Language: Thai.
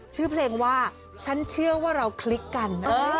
ชื่อเพลงว่าฉันเชื่อว่าเราคลิกกัน